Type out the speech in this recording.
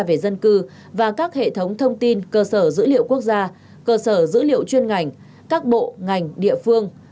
về dân cư và các hệ thống thông tin cơ sở dữ liệu quốc gia cơ sở dữ liệu chuyên ngành các bộ ngành địa phương